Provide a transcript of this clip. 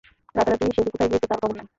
রাতারাতি সে যে কোথায় গিয়াছে তাহার খবর নাই।